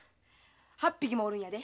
８匹もおるんやで。